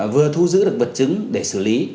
vừa thu giữ được vật chứng để xử lý